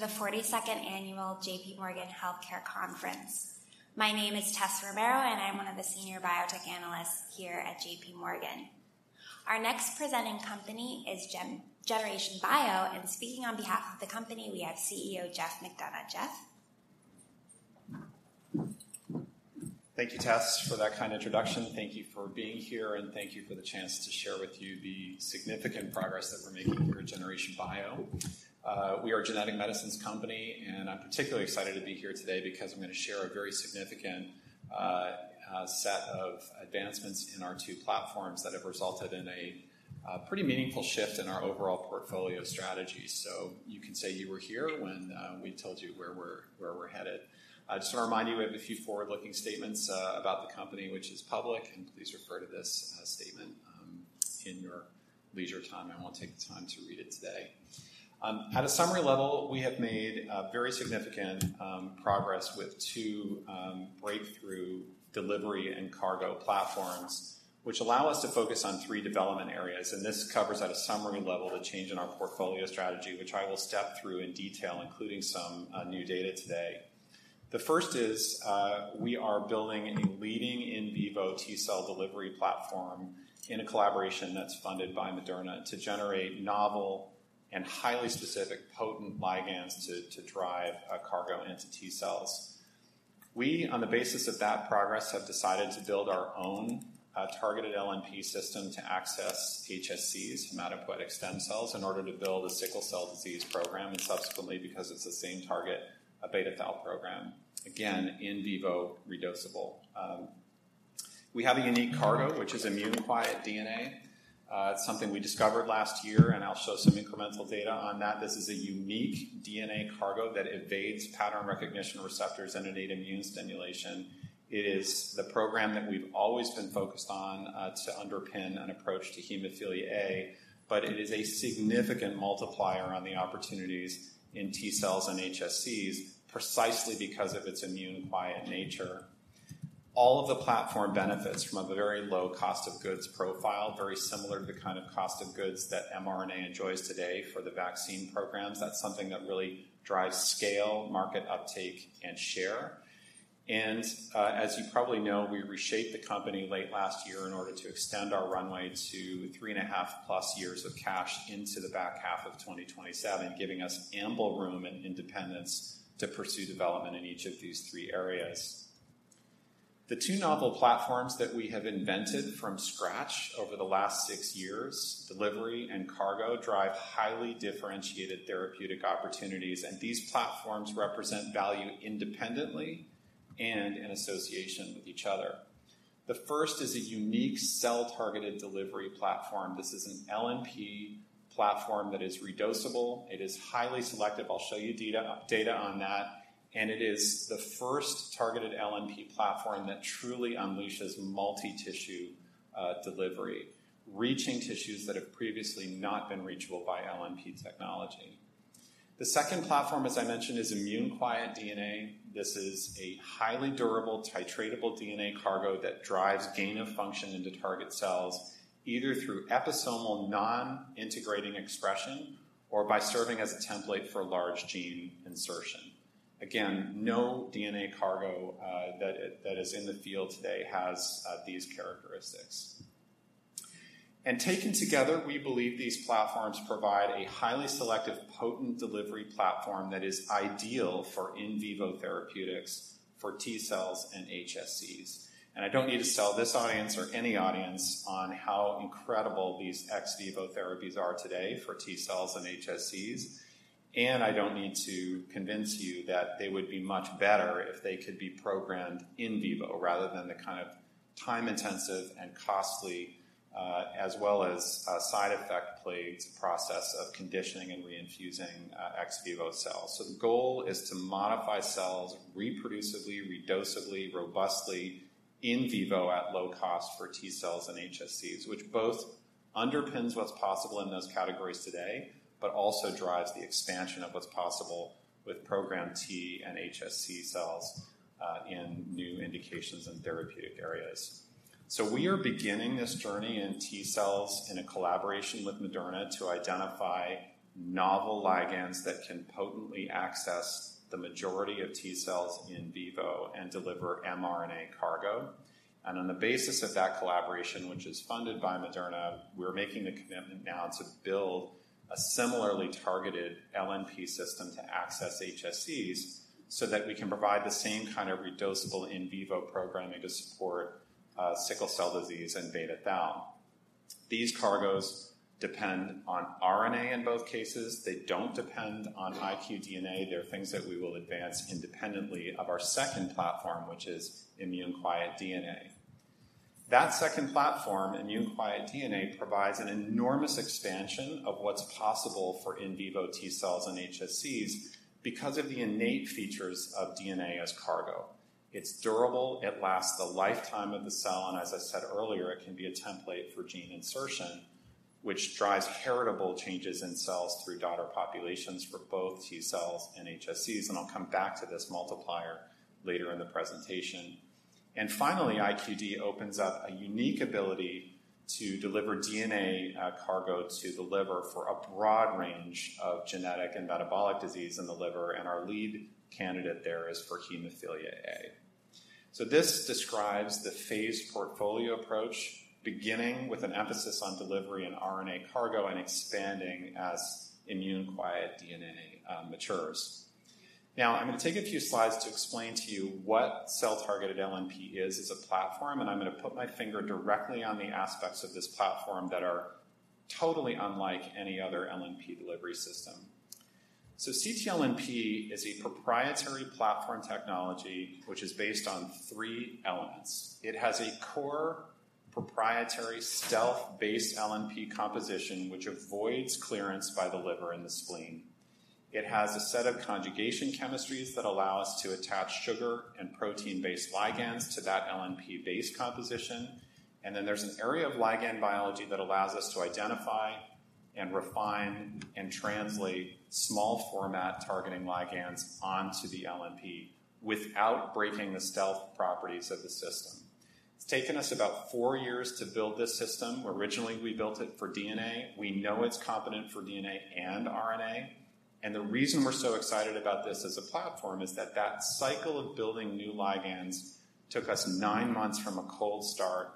Welcome to the 42nd Annual JPMorgan Healthcare Conference. My name is Tess Romero, and I'm one of the senior biotech analysts here at JPMorgan. Our next presenting company is Generation Bio, and speaking on behalf of the company, we have CEO Geoff McDonough. Geoff? Thank you, Tess, for that kind introduction. Thank you for being here, and thank you for the chance to share with you the significant progress that we're making here at Generation Bio. We are a genetic medicines company, and I'm particularly excited to be here today because I'm going to share a very significant set of advancements in our two platforms that have resulted in a pretty meaningful shift in our overall portfolio strategy. So you can say you were here when we told you where we're headed. I just want to remind you, we have a few forward-looking statements about the company, which is public, and please refer to this statement in your leisure time. I won't take the time to read it today. At a summary level, we have made very significant progress with two breakthrough delivery and cargo platforms, which allow us to focus on three development areas, and this covers, at a summary level, the change in our portfolio strategy, which I will step through in detail, including some new data today. The first is, we are building a leading in vivo T cell delivery platform in a collaboration that's funded by Moderna to generate novel and highly specific potent ligands to drive a cargo into T cells. We, on the basis of that progress, have decided to build our own targeted LNP system to access HSCs from hematopoietic stem cells in order to build a sickle cell disease program, and subsequently, because it's the same target, a beta thal program, again, in vivo redosable. We have a unique cargo, which is immune-quiet DNA. It's something we discovered last year, and I'll show some incremental data on that. This is a unique DNA cargo that evades pattern recognition receptors and innate immune stimulation. It is the program that we've always been focused on to underpin an approach to hemophilia A, but it is a significant multiplier on the opportunities in T cells and HSCs precisely because of its immune-quiet nature. All of the platform benefits from a very low cost of goods profile, very similar to the kind of cost of goods that mRNA enjoys today for the vaccine programs. That's something that really drives scale, market uptake, and share. As you probably know, we reshaped the company late last year in order to extend our runway to 3.5+ years of cash into the back half of 2027, giving us ample room and independence to pursue development in each of these 3 areas. The two novel platforms that we have invented from scratch over the last 6 years, delivery and cargo, drive highly differentiated therapeutic opportunities, and these platforms represent value independently and in association with each other. The first is a unique cell-targeted delivery platform. This is an LNP platform that is redosable. It is highly selective. I'll show you data, data on that, and it is the first targeted LNP platform that truly unleashes multi-tissue delivery, reaching tissues that have previously not been reachable by LNP technology. The second platform, as I mentioned, is immune-quiet DNA. This is a highly durable, titratable DNA cargo that drives gain of function into target cells, either through episomal non-integrating expression or by serving as a template for large gene insertion. Again, no DNA cargo that is in the field today has these characteristics. Taken together, we believe these platforms provide a highly selective, potent delivery platform that is ideal for in vivo therapeutics for T cells and HSCs. I don't need to sell this audience or any audience on how incredible these ex vivo therapies are today for T cells and HSCs, and I don't need to convince you that they would be much better if they could be programmed in vivo, rather than the kind of time-intensive and costly, as well as, side effect-plagued process of conditioning and reinfusing ex vivo cells. So the goal is to modify cells reproducibly, redosably, robustly in vivo at low cost for T cells and HSCs, which both underpins what's possible in those categories today, but also drives the expansion of what's possible with program T and HSC cells, in new indications and therapeutic areas. So we are beginning this journey in T cells in a collaboration with Moderna to identify novel ligands that can potently access the majority of T cells in vivo and deliver mRNA cargo. And on the basis of that collaboration, which is funded by Moderna, we're making the commitment now to build a similarly targeted LNP system to access HSCs so that we can provide the same kind of redosable in vivo programming to support, sickle cell disease and beta thal. These cargoes depend on RNA in both cases. They don't depend on iqDNA. They're things that we will advance independently of our second platform, which is immune-quiet DNA. That second platform, immune-quiet DNA, provides an enormous expansion of what's possible for in vivo T cells and HSCs because of the innate features of DNA as cargo. It's durable, it lasts the lifetime of the cell, and as I said earlier, it can be a template for gene insertion, which drives heritable changes in cells through daughter populations for both T cells and HSCs, and I'll come back to this multiplier later in the presentation. And finally, IQD opens up a unique ability to deliver DNA cargo to the liver for a broad range of genetic and metabolic disease in the liver, and our lead candidate there is for hemophilia A. This describes the phased portfolio approach, beginning with an emphasis on delivery and RNA cargo and expanding as immune-quiet DNA matures. Now, I'm going to take a few slides to explain to you what cell-targeted LNP is as a platform, and I'm going to put my finger directly on the aspects of this platform that are totally unlike any other LNP delivery system. ctLNP is a proprietary platform technology, which is based on three elements. It has a core proprietary stealth-based LNP composition, which avoids clearance by the liver and the spleen. It has a set of conjugation chemistries that allow us to attach sugar and protein-based ligands to that LNP base composition, and then there's an area of ligand biology that allows us to identify and refine and translate small format targeting ligands onto the LNP without breaking the stealth properties of the system. It's taken us about four years to build this system, where originally we built it for DNA. We know it's competent for DNA and RNA, and the reason we're so excited about this as a platform is that that cycle of building new ligands took us nine months from a cold start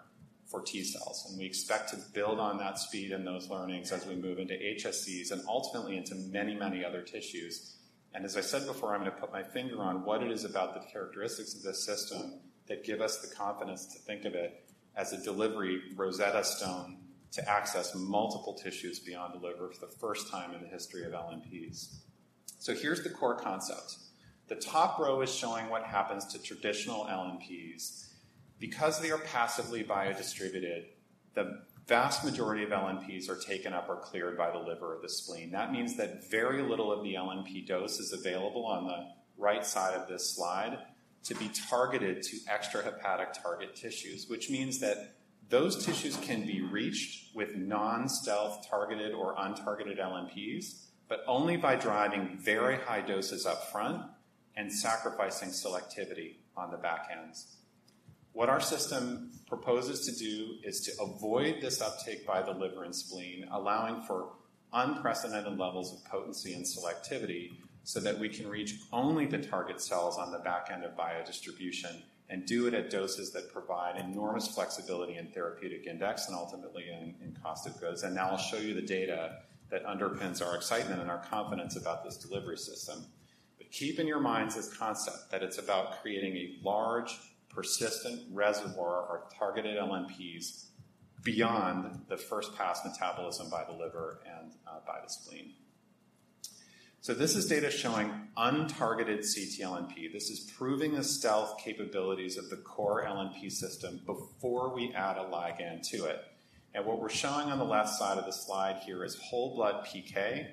for T cells, and we expect to build on that speed and those learnings as we move into HSCs and ultimately into many, many other tissues. As I said before, I'm going to put my finger on what it is about the characteristics of this system that give us the confidence to think of it as a delivery Rosetta Stone to access multiple tissues beyond the liver for the first time in the history of LNPs. Here's the core concept. The top row is showing what happens to traditional LNPs. Because they are passively biodistributed, the vast majority of LNPs are taken up or cleared by the liver or the spleen. That means that very little of the LNP dose is available on the right side of this slide to be targeted to extrahepatic target tissues, which means that those tissues can be reached with non-stealth targeted or untargeted LNPs, but only by driving very high doses up front and sacrificing selectivity on the back ends. What our system proposes to do is to avoid this uptake by the liver and spleen, allowing for unprecedented levels of potency and selectivity, so that we can reach only the target cells on the back end of biodistribution and do it at doses that provide enormous flexibility in therapeutic index and ultimately in cost of goods. Now I'll show you the data that underpins our excitement and our confidence about this delivery system. Keep in your minds this concept, that it's about creating a large, persistent reservoir of targeted LNPs beyond the first-pass metabolism by the liver and by the spleen. This is data showing untargeted ctLNP. This is proving the stealth capabilities of the core LNP system before we add a ligand to it. What we're showing on the left side of the slide here is whole blood PK.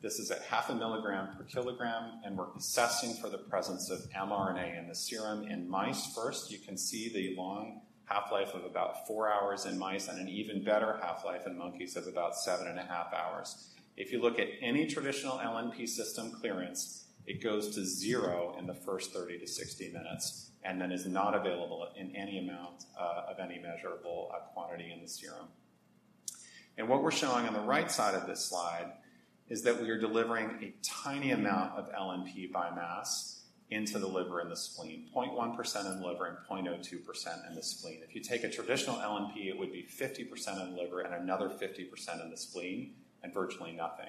This is at 0.5 milligram per kilogram, and we're assessing for the presence of mRNA in the serum in mice first, you can see the long half-life of about 4 hours in mice, and an even better half-life in monkeys of about 7.5 hours. If you look at any traditional LNP system clearance, it goes to zero in the first 30-60 minutes and then is not available in any amount of any measurable quantity in the serum. And what we're showing on the right side of this slide is that we are delivering a tiny amount of LNP by mass into the liver and the spleen, 0.1% in the liver and 0.02% in the spleen. If you take a traditional LNP, it would be 50% in the liver and another 50% in the spleen, and virtually nothing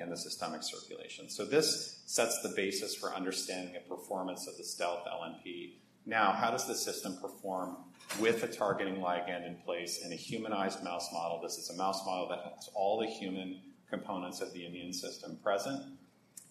in the systemic circulation. So this sets the basis for understanding the performance of the stealth LNP. Now, how does the system perform with a targeting ligand in place in a humanized mouse model? This is a mouse model that has all the human components of the immune system present.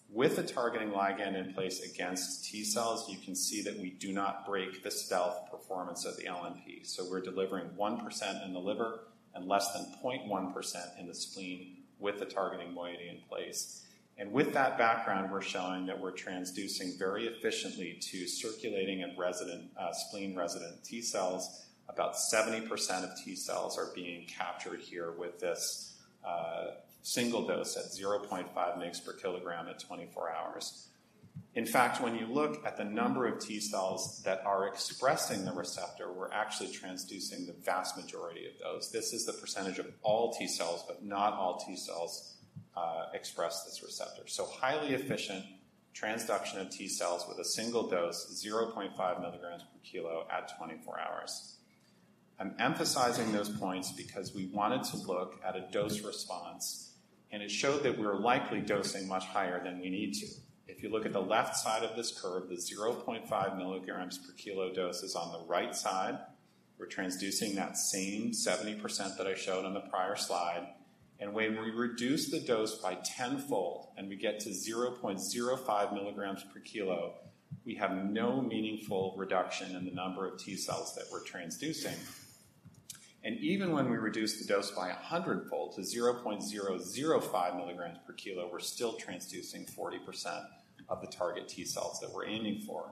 With the targeting ligand in place against T cells, you can see that we do not break the stealth performance of the LNP, so we're delivering 1% in the liver and less than 0.1% in the spleen with the targeting moiety in place. And with that background, we're showing that we're transducing very efficiently to circulating and resident, spleen-resident T cells. About 70% of T cells are being captured here with this single dose at 0.5 mg/kg at 24 hours. In fact, when you look at the number of T cells that are expressing the receptor, we're actually transducing the vast majority of those. This is the percentage of all T cells, but not all T cells express this receptor. So highly efficient transduction of T cells with a single dose, 0.5 milligrams per kilo at 24 hours. I'm emphasizing those points because we wanted to look at a dose response, and it showed that we're likely dosing much higher than we need to. If you look at the left side of this curve, the 0.5 milligrams per kilo dose is on the right side. We're transducing that same 70% that I showed on the prior slide, and when we reduce the dose by tenfold and we get to 0.05 milligrams per kilo, we have no meaningful reduction in the number of T cells that we're transducing. And even when we reduce the dose by a hundredfold to 0.005 milligrams per kilo, we're still transducing 40% of the target T cells that we're aiming for.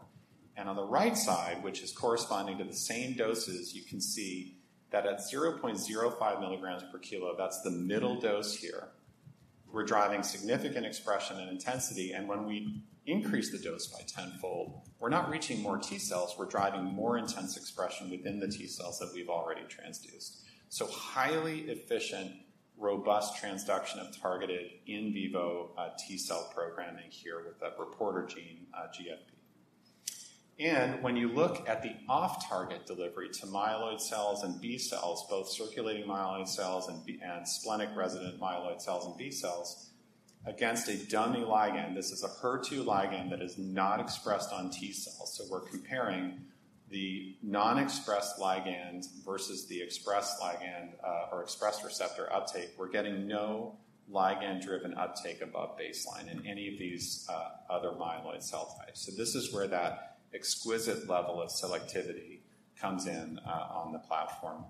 And on the right side, which is corresponding to the same doses, you can see that at 0.05 milligrams per kilo, that's the middle dose here, we're driving significant expression and intensity, and when we increase the dose by tenfold, we're not reaching more T cells, we're driving more intense expression within the T cells that we've already transduced. So highly efficient, robust transduction of targeted in vivo T cell programming here with that reporter gene, GFP. And when you look at the off-target delivery to myeloid cells and B cells, both circulating myeloid cells and splenic resident myeloid cells and B cells, against a dummy ligand, this is a HER2 ligand that is not expressed on T cells. So we're comparing the non-expressed ligand versus the expressed ligand, or expressed receptor uptake. We're getting no ligand-driven uptake above baseline in any of these, other myeloid cell types. So this is where that exquisite level of selectivity comes in, on the platform.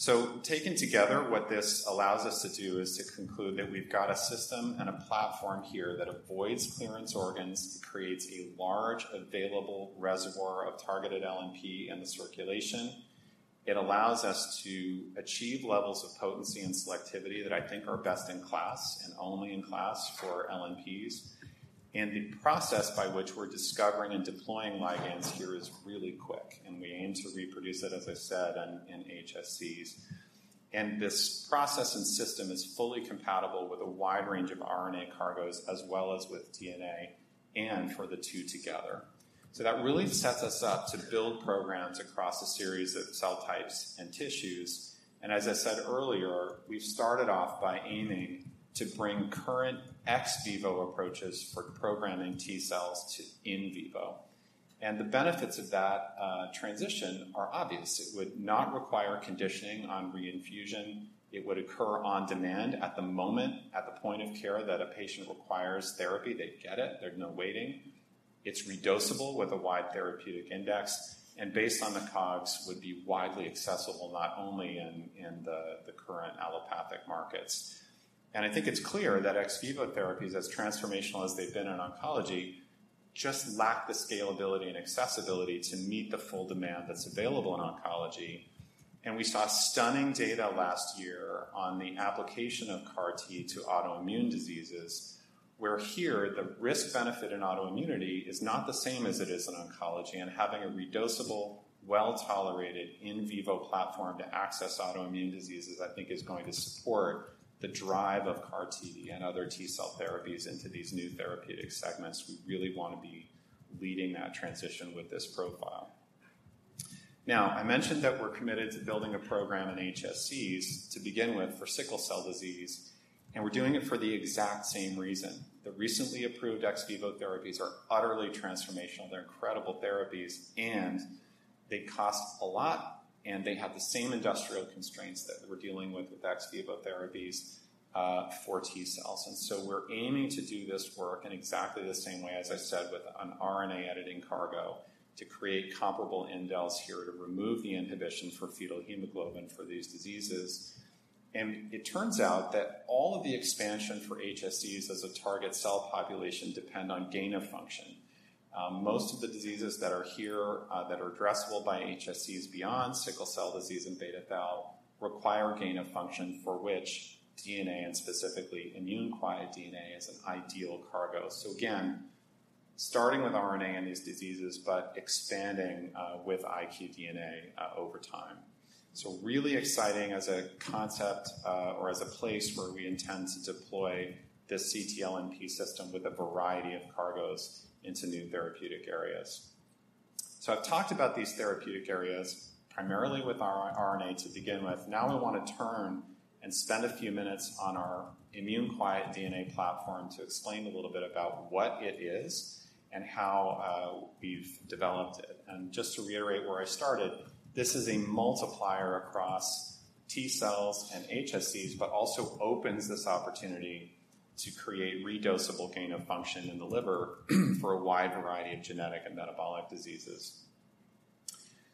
So taken together, what this allows us to do is to conclude that we've got a system and a platform here that avoids clearance organs and creates a large available reservoir of targeted LNP in the circulation. It allows us to achieve levels of potency and selectivity that I think are best in class and only in class for LNPs. And the process by which we're discovering and deploying ligands here is really quick, and we aim to reproduce it, as I said, in HSCs. And this process and system is fully compatible with a wide range of RNA cargoes, as well as with DNA and for the two together. So that really sets us up to build programs across a series of cell types and tissues, and as I said earlier, we've started off by aiming to bring current ex vivo approaches for programming T cells to in vivo. And the benefits of that transition are obvious. It would not require conditioning on reinfusion. It would occur on demand at the moment, at the point of care that a patient requires therapy; they'd get it. There's no waiting. It's redosable with a wide therapeutic index, and based on the COGS, would be widely accessible, not only in the current allopathic markets. And I think it's clear that ex vivo therapies, as transformational as they've been in oncology, just lack the scalability and accessibility to meet the full demand that's available in oncology. We saw stunning data last year on the application of CAR-T to autoimmune diseases, where here, the risk-benefit in autoimmunity is not the same as it is in oncology, and having a redosable, well-tolerated in vivo platform to access autoimmune diseases, I think is going to support the drive of CAR-T and other T cell therapies into these new therapeutic segments. We really want to be leading that transition with this profile. Now, I mentioned that we're committed to building a program in HSCs to begin with for sickle cell disease, and we're doing it for the exact same reason. The recently approved ex vivo therapies are utterly transformational. They're incredible therapies, and they cost a lot, and they have the same industrial constraints that we're dealing with, with ex vivo therapies for T cells. And so we're aiming to do this work in exactly the same way, as I said, with an RNA editing cargo, to create comparable indels here to remove the inhibition for fetal hemoglobin for these diseases. And it turns out that all of the expansion for HSCs as a target cell population depend on gain-of-function. Most of the diseases that are here, that are addressable by HSCs beyond sickle cell disease and beta thal, require gain of function, for which DNA, and specifically immune quiet DNA, is an ideal cargo. So again, starting with RNA in these diseases, but expanding with iqDNA over time. So really exciting as a concept, or as a place where we intend to deploy this ctLNP system with a variety of cargoes into new therapeutic areas. So I've talked about these therapeutic areas, primarily with our RNA to begin with. Now, I want to turn and spend a few minutes on our immune-quiet DNA platform to explain a little bit about what it is and how we've developed it. And just to reiterate where I started, this is a multiplier across T cells and HSCs, but also opens this opportunity to create redosable gain-of-function in the liver, for a wide variety of genetic and metabolic diseases.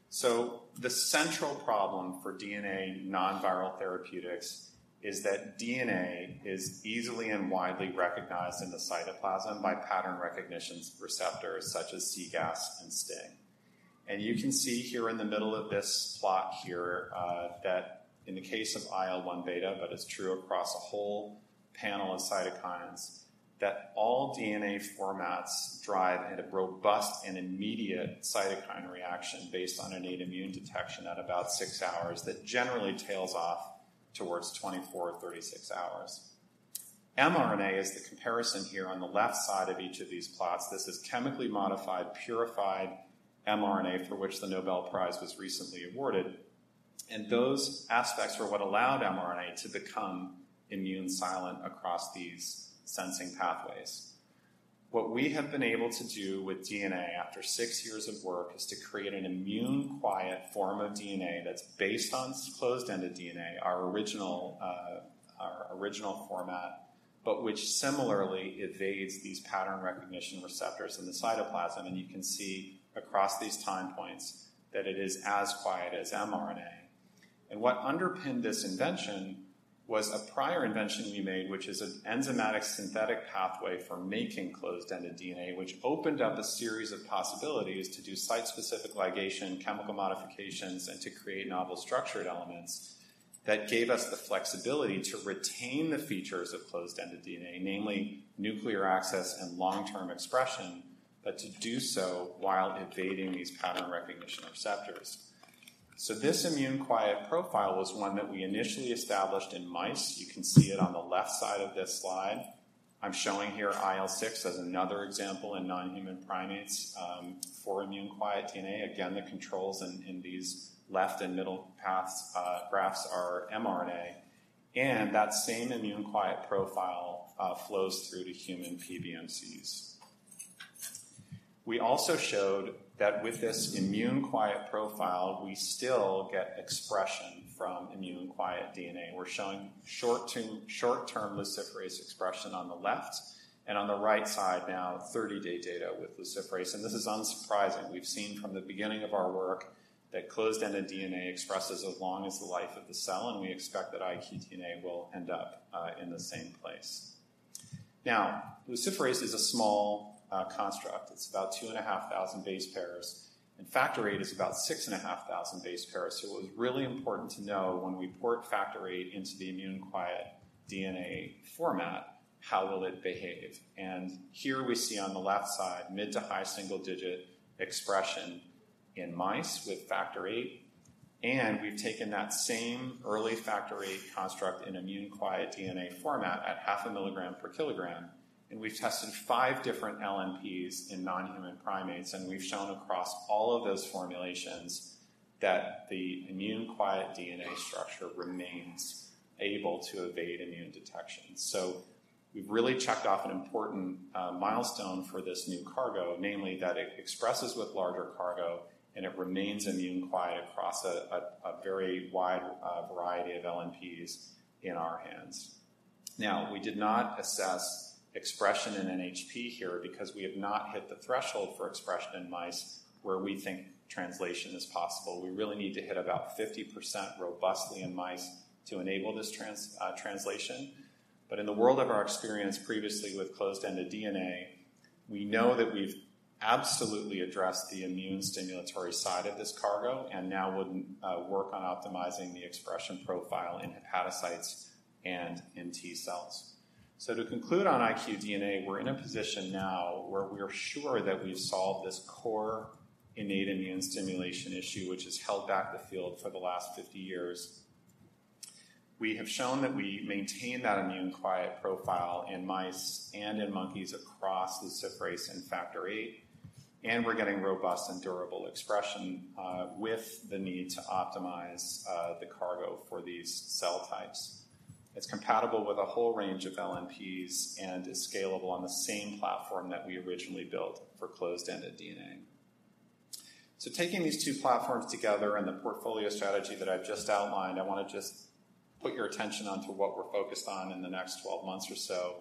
So the central problem for DNA non-viral therapeutics is that DNA is easily and widely recognized in the cytoplasm by pattern recognition receptors such as cGAS and STING. And you can see here in the middle of this plot here, that in the case of IL-1 beta, but it's true across a whole panel of cytokines, that all DNA formats drive at a robust and immediate cytokine reaction based on innate immune detection at about 6 hours, that generally tails off towards 24, 36 hours. mRNA is the comparison here on the left side of each of these plots. This is chemically modified, purified mRNA, for which the Nobel Prize was recently awarded, and those aspects were what allowed mRNA to become immune silent across these sensing pathways. What we have been able to do with DNA after six years of work is to create an immune quiet form of DNA that's based on closed-ended DNA, our original, our original format, but which similarly evades these pattern recognition receptors in the cytoplasm, and you can see across these time points that it is as quiet as mRNA. What underpinned this invention was a prior invention we made, which is an enzymatic synthetic pathway for making closed-ended DNA, which opened up a series of possibilities to do site-specific ligation, chemical modifications, and to create novel structured elements. That gave us the flexibility to retain the features of closed-ended DNA, namely nuclear access and long-term expression, but to do so while evading these pattern recognition receptors. So this immune quiet profile was one that we initially established in mice. You can see it on the left side of this slide. I'm showing here IL-6 as another example in non-human primates for immune quiet DNA. Again, the controls in these left and middle paths graphs are mRNA, and that same immune quiet profile flows through to human PBMCs. We also showed that with this immune quiet profile, we still get expression from immune quiet DNA. We're showing short-term luciferase expression on the left, and on the right side now, 30-day data with luciferase, and this is unsurprising. We've seen from the beginning of our work that closed-ended DNA expresses as long as the life of the cell, and we expect that iqDNA will end up in the same place. Now, luciferase is a small construct. It's about 2,500 base pairs, and factor VIII is about 6,500 base pairs. So it was really important to know when we port factor VIII into the immune-quiet DNA format, how will it behave? And here we see on the left side, mid to high single-digit expression in mice with factor VIII, and we've taken that same early factor VIII construct in immune-quiet DNA format at 0.5 milligram per kilogram, and we've tested 5 different LNPs in non-human primates, and we've shown across all of those formulations that the immune-quiet DNA structure remains able to evade immune detection. So we've really checked off an important milestone for this new cargo, namely, that it expresses with larger cargo, and it remains immune quiet across a very wide variety of LNPs in our hands. Now, we did not assess expression in NHP here because we have not hit the threshold for expression in mice, where we think translation is possible. We really need to hit about 50% robustly in mice to enable this translation. But in the world of our experience previously with closed-ended DNA, we know that we've absolutely addressed the immune stimulatory side of this cargo, and now would work on optimizing the expression profile in hepatocytes and in T cells. So to conclude on iqDNA, we're in a position now where we are sure that we've solved this core innate immune stimulation issue, which has held back the field for the last 50 years. We have shown that we maintain that immune quiet profile in mice and in monkeys across luciferase and factor VIII, and we're getting robust and durable expression, with the need to optimize, the cargo for these cell types. It's compatible with a whole range of LNPs and is scalable on the same platform that we originally built for closed-ended DNA. So taking these two platforms together and the portfolio strategy that I've just outlined, I want to just put your attention onto what we're focused on in the next 12 months or so.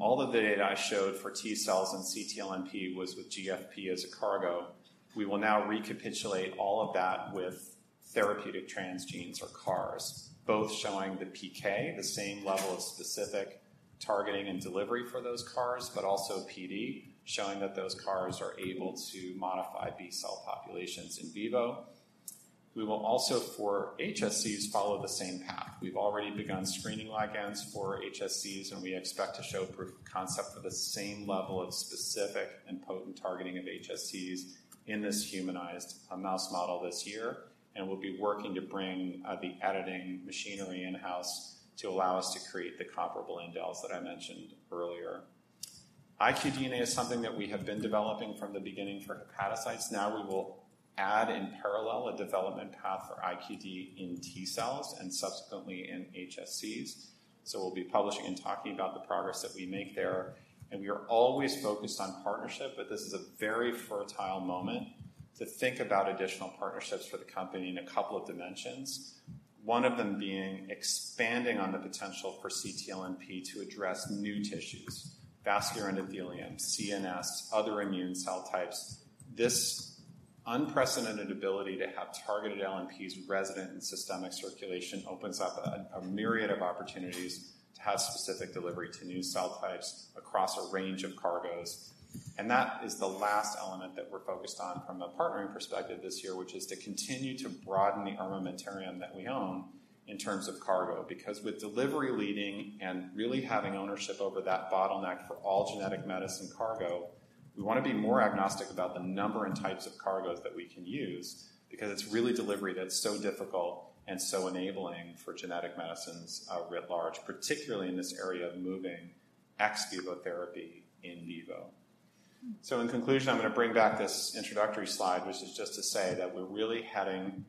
All the data I showed for T cells and ctLNP was with GFP as a cargo. We will now recapitulate all of that with therapeutic transgenes or CARs, both showing the PK, the same level of specific targeting and delivery for those CARs, but also PD, showing that those CARs are able to modify B cell populations in vivo. We will also, for HSCs, follow the same path. We've already begun screening ligands for HSCs, and we expect to show proof of concept for the same level of specific and potent targeting of HSCs in this humanized mouse model this year, and we'll be working to bring the editing machinery in-house to allow us to create the comparable indels that I mentioned earlier. iqDNA is something that we have been developing from the beginning for hepatocytes. Now we will add in parallel a development path for IQD in T cells and subsequently in HSCs. So we'll be publishing and talking about the progress that we make there, and we are always focused on partnership, but this is a very fertile moment to think about additional partnerships for the company in a couple of dimensions. One of them being expanding on the potential for ctLNP to address new tissues, vascular endothelium, CNS, other immune cell types. This unprecedented ability to have targeted LNPs resident in systemic circulation opens up a myriad of opportunities to have specific delivery to new cell types across a range of cargos. That is the last element that we're focused on from a partnering perspective this year, which is to continue to broaden the armamentarium that we own in terms of cargo, because with delivery leading and really having ownership over that bottleneck for all genetic medicine cargo, we want to be more agnostic about the number and types of cargos that we can use, because it's really delivery that's so difficult and so enabling for genetic medicines, writ large, particularly in this area of moving ex vivo therapy in vivo. So in conclusion, I'm going to bring back this introductory slide, which is just to say that we're really heading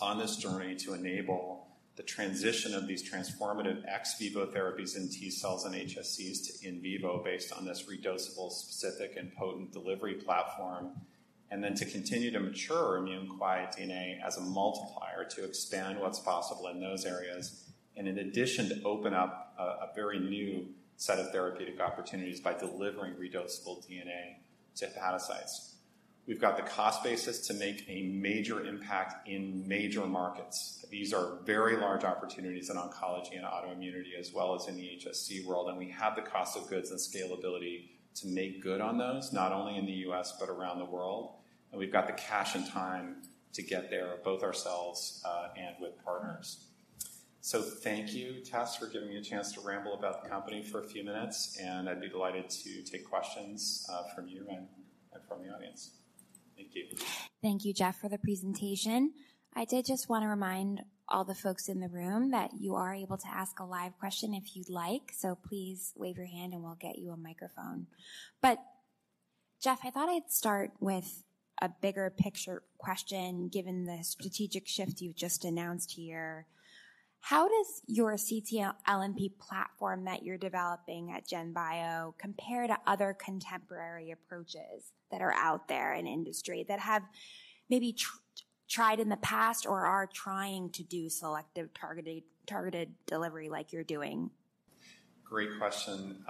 on this journey to enable the transition of these transformative ex vivo therapies in T cells and HSCs to in vivo based on this redosable, specific, and potent delivery platform, and then to continue to mature immune-quiet DNA as a multiplier to expand what's possible in those areas, and in addition, to open up a very new set of therapeutic opportunities by delivering redosable DNA to hepatocytes. We've got the cost basis to make a major impact in major markets. These are very large opportunities in oncology and autoimmunity, as well as in the HSC world, and we have the cost of goods and scalability to make good on those, not only in the U.S., but around the world, and we've got the cash and time to get there, both ourselves, and with partners. So thank you, Tess, for giving me a chance to ramble about the company for a few minutes, and I'd be delighted to take questions, from you and from the audience. Thank you. Thank you, Geoff, for the presentation. I did just want to remind all the folks in the room that you are able to ask a live question if you'd like. So please wave your hand, and we'll get you a microphone. But Geoff, I thought I'd start with a bigger picture question, given the strategic shift you've just announced here. How does your ctLNP platform that you're developing at GenBio compare to other contemporary approaches that are out there in industry that have maybe tried in the past or are trying to do selective targeted, targeted delivery like you're doing? Great question.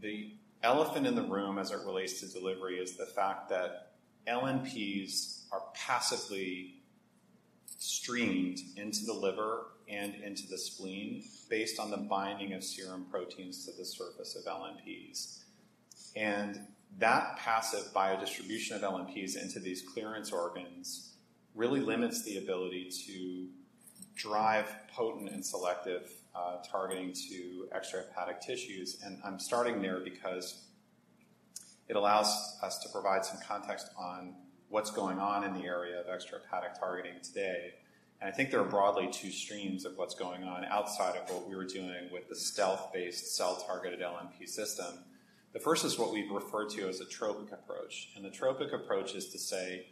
The elephant in the room as it relates to delivery is the fact that LNPs are passively streamed into the liver and into the spleen based on the binding of serum proteins to the surface of LNPs. That passive biodistribution of LNPs into these clearance organs really limits the ability to drive potent and selective targeting to extrahepatic tissues. I'm starting there because it allows us to provide some context on what's going on in the area of extrahepatic targeting today. I think there are broadly two streams of what's going on outside of what we were doing with the stealth-based cell-targeted LNP system. The first is what we refer to as a tropic approach, and the tropic approach is to say,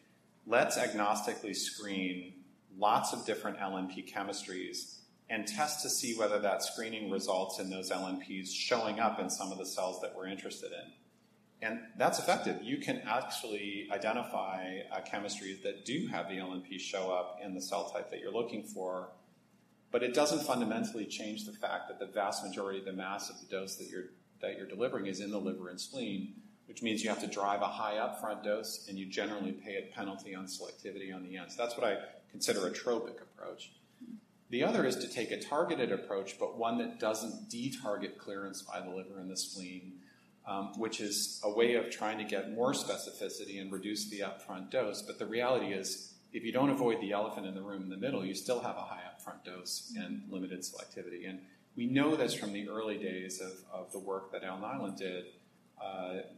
"Let's agnostically screen lots of different LNP chemistries and test to see whether that screening results in those LNPs showing up in some of the cells that we're interested in." That's effective. You can actually identify a chemistry that do have the LNP show up in the cell type that you're looking for, but it doesn't fundamentally change the fact that the vast majority of the mass of the dose that you're delivering is in the liver and spleen, which means you have to drive a high upfront dose, and you generally pay a penalty on selectivity on the end. That's what I consider a tropic approach. The other is to take a targeted approach, but one that doesn't de-target clearance by the liver and the spleen, which is a way of trying to get more specificity and reduce the upfront dose. But the reality is, if you don't avoid the elephant in the room in the middle, you still have a high upfront dose and limited selectivity. And we know this from the early days of the work that Alnylam did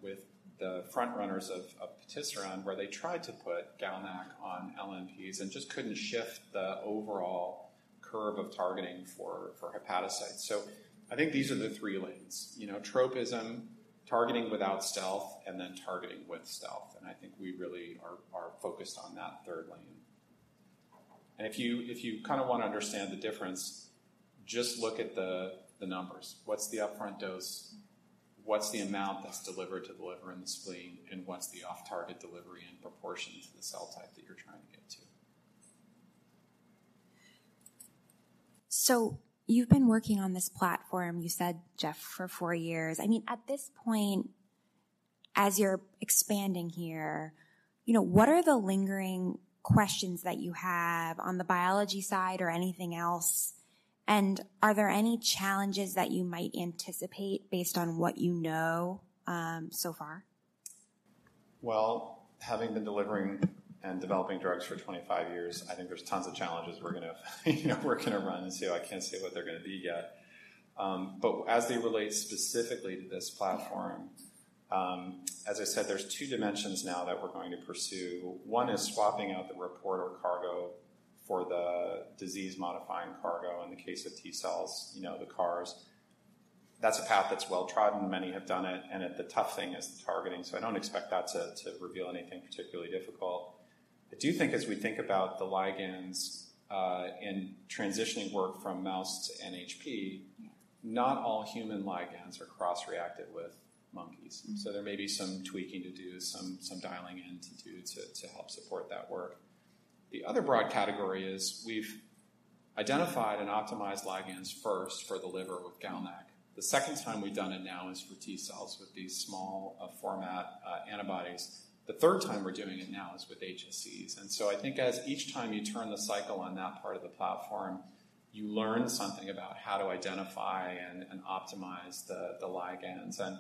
with the front runners of Patisiran, where they tried to put GalNAc on LNPs and just couldn't shift the overall curve of targeting for hepatocytes. So I think these are the three lanes, you know, tropism, targeting without stealth, and then targeting with stealth, and I think we really are focused on that third lane. If you kind of want to understand the difference, just look at the numbers. What's the upfront dose? What's the amount that's delivered to the liver and the spleen, and what's the off-target delivery in proportion to the cell type that you're trying to get to? So you've been working on this platform, you said, Geoff, for 4 years. I mean, at this point, as you're expanding here, you know, what are the lingering questions that you have on the biology side or anything else? And are there any challenges that you might anticipate based on what you know, so far? Well, having been delivering and developing drugs for 25 years, I think there's tons of challenges we're gonna, you know, we're gonna run into. I can't say what they're gonna be yet. But as they relate specifically to this platform, as I said, there's two dimensions now that we're going to pursue. One is swapping out the reporter cargo for the disease-modifying cargo in the case of T cells, you know, the CARs. That's a path that's well-trodden. Many have done it, and the tough thing is the targeting, so I don't expect that to, to reveal anything particularly difficult. I do think as we think about the ligands, in transitioning work from mouse to NHP, not all human ligands are cross-reactive with monkeys. Mm-hmm. So there may be some tweaking to do, some dialing in to do to help support that work. The other broad category is we've identified and optimized ligands first for the liver with GalNAc. The second time we've done it now is for T cells with these small format antibodies. The third time we're doing it now is with HSCs, and so I think as each time you turn the cycle on that part of the platform, you learn something about how to identify and optimize the ligands, and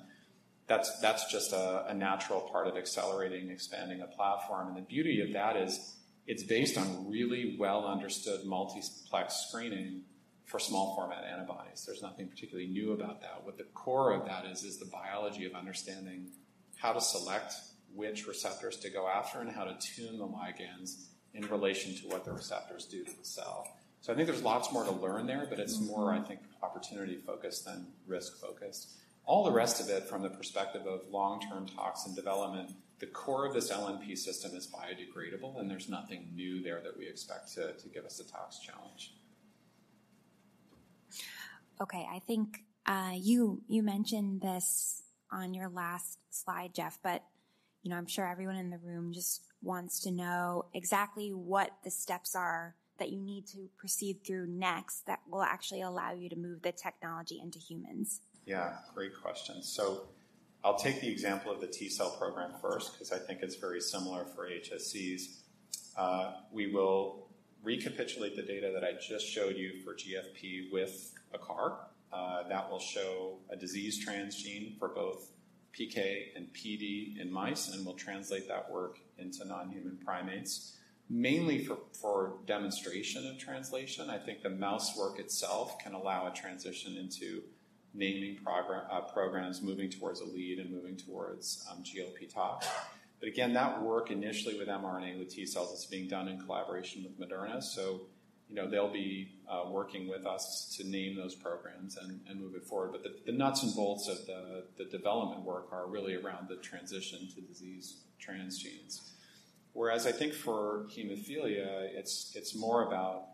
that's just a natural part of accelerating and expanding a platform. And the beauty of that is it's based on really well-understood multiplex screening for small format antibodies. There's nothing particularly new about that. What the core of that is, is the biology of understanding how to select which receptors to go after and how to tune the ligands in relation to what the receptors do to the cell. So I think there's lots more to learn there- Mm-hmm. But it's more, I think, opportunity focused than risk focused. All the rest of it from the perspective of long-term tox in development, the core of this LNP system is biodegradable, and there's nothing new there that we expect to give us a tox challenge. Okay, I think, you mentioned this on your last slide, Geoff, but you know, I'm sure everyone in the room just wants to know exactly what the steps are that you need to proceed through next that will actually allow you to move the technology into humans. Yeah, great question. So I'll take the example of the T cell program first, 'cause I think it's very similar for HSCs. We will recapitulate the data that I just showed or GFP with a CAR that will show a disease transgene for both PK and PD in mice, and we'll translate that work into non-human primates. Mainly for demonstration of translation, I think the mouse work itself can allow a transition into naming programs, moving towards a lead and moving towards GLP tox. But again, that work initially with mRNA, with T cells, is being done in collaboration with Moderna. So, you know, they'll be working with us to name those programs and move it forward. But the nuts and bolts of the development work are really around the transition to disease transgenes. Whereas I think for hemophilia, it's more about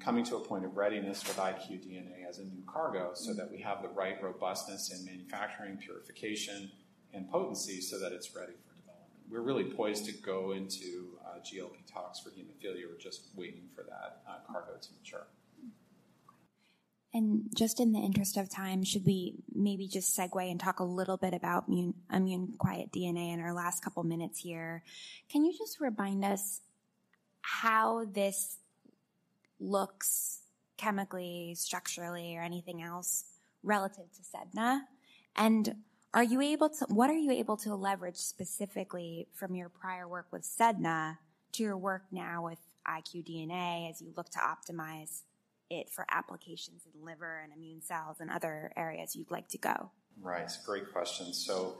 coming to a point of readiness with iqDNA as a new cargo, so that we have the right robustness in manufacturing, purification, and potency so that it's ready for development. We're really poised to go into GLP tox for hemophilia. We're just waiting for that cargo to mature. And just in the interest of time, should we maybe just segue and talk a little bit about immune-quiet DNA in our last couple of minutes here? Can you just remind us how this looks chemically, structurally, or anything else relative to ceDNA? And are you able to... What are you able to leverage specifically from your prior work with ceDNA to your work now with iqDNA as you look to optimize it for applications in liver and immune cells and other areas you'd like to go? Right. It's a great question. So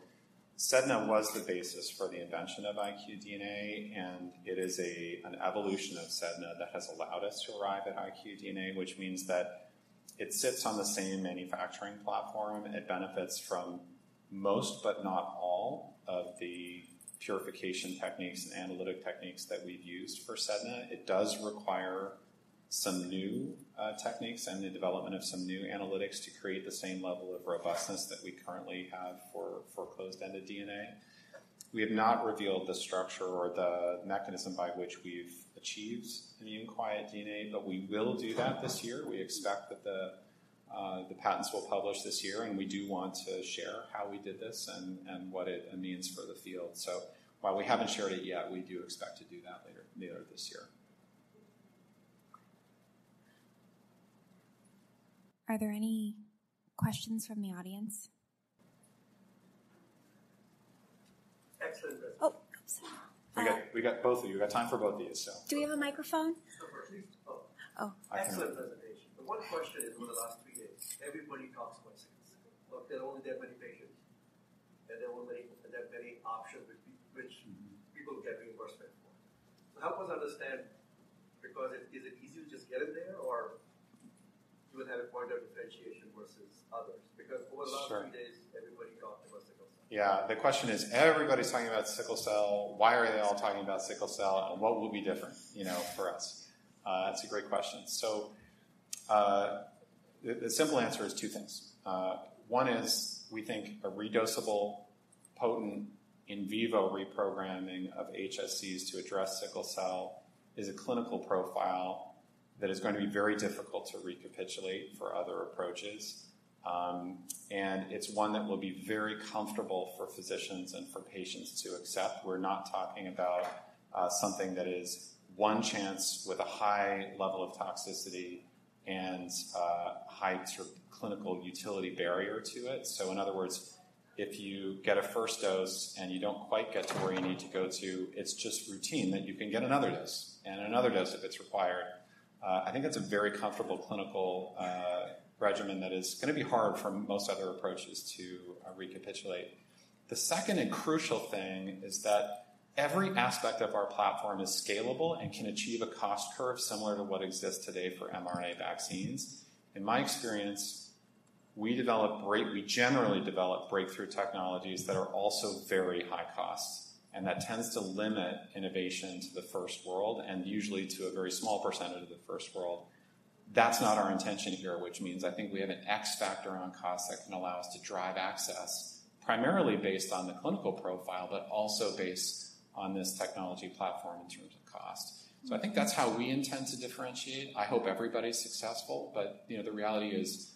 ceDNA was the basis for the invention of iqDNA, and it is an evolution of ceDNA that has allowed us to arrive at iqDNA, which means that it sits on the same manufacturing platform. It benefits from most, but not all, of the purification techniques and analytic techniques that we've used for ceDNA. It does require some new techniques and the development of some new analytics to create the same level of robustness that we currently have for closed-ended DNA. We have not revealed the structure or the mechanism by which we've achieved immune quiet DNA, but we will do that this year. We expect that the patents will publish this year, and we do want to share how we did this and what it means for the field. While we haven't shared it yet, we do expect to do that later, later this year. Are there any questions from the audience? Excellent presentation. Oh, hello. We got both of you. We got time for both of you, so. Do we have a microphone? So please... Oh. Oh. Excellent presentation. But one question is, over the last three days, everybody talks about sickle cell, but there are only that many patients, and there are only that many options which- Mm-hmm. People get reimbursed for. So help us understand, because is it easy to just get in there, or do you have a point of differentiation versus others? Because- Sure. Over the last few days, everybody talked about sickle cell. Yeah. The question is, everybody's talking about sickle cell. Why are they all talking about sickle cell, and what will be different, you know, for us? It's a great question. So, the simple answer is two things. One is, we think a redosable, potent, in vivo reprogramming of HSCs to address sickle cell is a clinical profile that is going to be very difficult to recapitulate for other approaches. And it's one that will be very comfortable for physicians and for patients to accept. We're not talking about something that is one chance with a high level of toxicity and high sort of clinical utility barrier to it. So in other words, if you get a first dose and you don't quite get to where you need to go to, it's just routine that you can get another dose and another dose if it's required. I think that's a very comfortable clinical regimen that is gonna be hard for most other approaches to recapitulate. The second and crucial thing is that every aspect of our platform is scalable and can achieve a cost curve similar to what exists today for mRNA vaccines. In my experience, we develop breakthrough technologies that are also very high cost, and that tends to limit innovation to the first world, and usually to a very small percentage of the first world. That's not our intention here, which means I think we have an X factor on cost that can allow us to drive access, primarily based on the clinical profile, but also based on this technology platform in terms of cost. So I think that's how we intend to differentiate. I hope everybody's successful, but, you know, the reality is,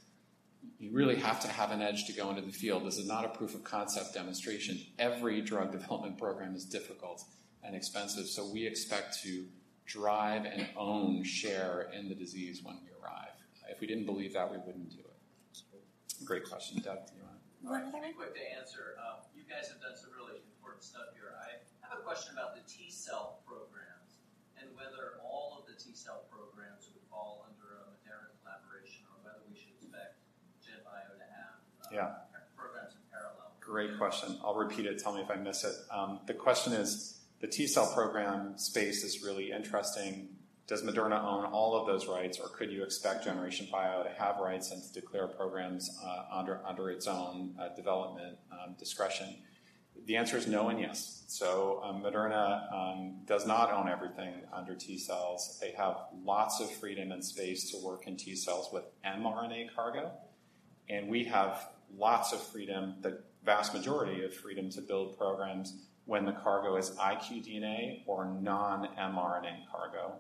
you really have to have an edge to go into the field. This is not a proof of concept demonstration. Every drug development program is difficult and expensive, so we expect to drive and own share in the disease when we arrive. If we didn't believe that, we wouldn't do it. So great question. Doug, do you want to...? One more? Quick to answer. You guys have done some really important stuff here. I have a question about the T cell programs and whether all of the T cell programs would fall under a Moderna collaboration or whether we should expect GenBio to have? Yeah... programs in parallel. Great question. I'll repeat it, tell me if I miss it. The question is, the T cell program space is really interesting. Does Moderna own all of those rights, or could you expect Generation Bio to have rights and to declare programs, under its own development discretion? The answer is no and yes. So, Moderna does not own everything under T cells. They have lots of freedom and space to work in T cells with mRNA cargo, and we have lots of freedom, the vast majority of freedom, to build programs when the cargo is iqDNA or non-mRNA cargo.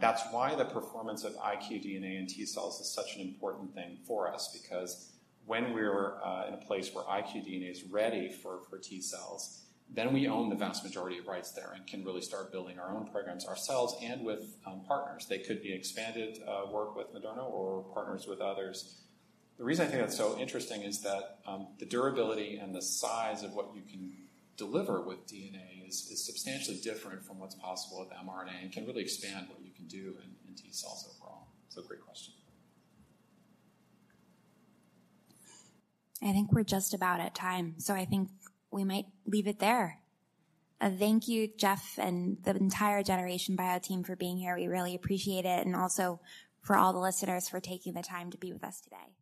That's why the performance of iqDNA in T cells is such an important thing for us, because when we're in a place where iqDNA is ready for T cells, then we own the vast majority of rights there and can really start building our own programs ourselves and with partners. They could be expanded work with Moderna or partners with others. The reason I think that's so interesting is that the durability and the size of what you can deliver with DNA is substantially different from what's possible with mRNA and can really expand what you can do in T cells overall. It's a great question. I think we're just about at time, so I think we might leave it there. Thank you, Geoff, and the entire Generation Bio team for being here. We really appreciate it, and also for all the listeners for taking the time to be with us today.